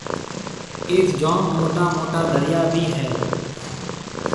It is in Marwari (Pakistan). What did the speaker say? ايٿ جوم موٽا موٽا دريا ڀِي هيَ۔